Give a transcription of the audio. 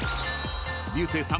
［竜星さん